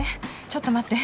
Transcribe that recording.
ちょっと待って！